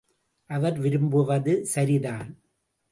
அவர் விரும்புவது சரிதான்.